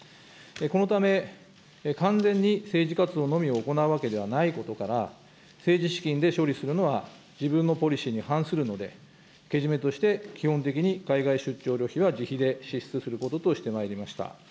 このため、完全に政治活動のみを行うわけではないことから、政治資金で処理するのは自分のポリシーに反するので、けじめとして、基本的に海外出張旅費は自費で支出することとしてまいりました。